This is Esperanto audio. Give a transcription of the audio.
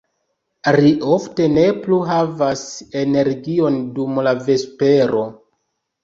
Ri ofte ne plu havas energion dum la vespero.